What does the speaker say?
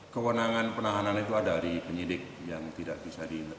kewenangan penahanan itu ada di penyidik yang tidak bisa di